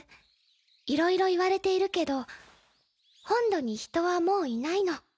いろいろ言われているけど本土に人はもういないの。